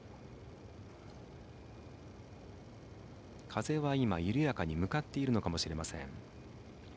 風は緩やかに向かっているのかもしれません。